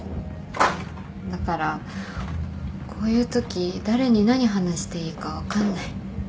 だからこういうとき誰に何話していいか分かんない。